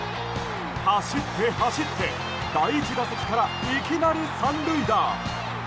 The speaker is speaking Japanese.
走って走って第１打席から、いきなり３塁打！